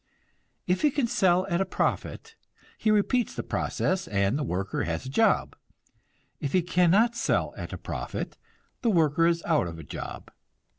If he can sell at a profit, he repeats the process, and the worker has a job. If he cannot sell at a profit, the worker is out of a job.